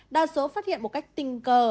đa số phát hiện một cách tình cờ